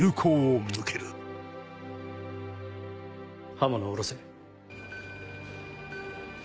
刃物を下ろせ。